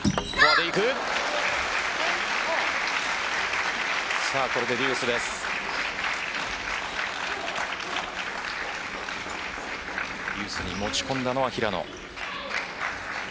デュースに持ち込んだのは平野。